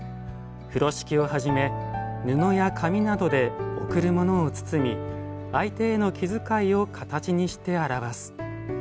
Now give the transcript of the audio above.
風呂敷をはじめ布や紙などで贈るものを包み相手への気づかいを形にして表す。